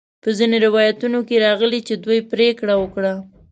په ځینو روایتونو کې راغلي چې دوی پریکړه وکړه.